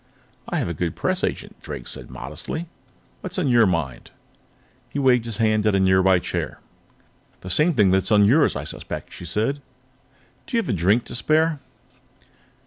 "I have a good press agent," Drake said modestly. "What's on your mind?" He waved his hand at a nearby chair. "The same thing that's on yours, I suspect," she said. "Do you have a drink to spare?"